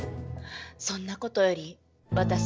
そんなことより私